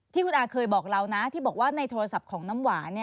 ที่คุณอาเคยบอกเรานะที่บอกว่าในโทรศัพท์ของน้ำหวาน